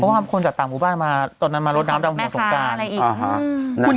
เพราะว่าคนจากต่างหมู่บ้านมาตอนนั้นมารถน้ำน้ำดังหวังสมการแม่ค้าอะไรอีกอืม